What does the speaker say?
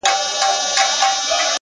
هوډ د شکونو دروازه تړي